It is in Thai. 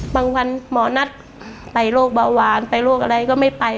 วันหมอนัดไปโรคเบาหวานไปโรคอะไรก็ไม่ไป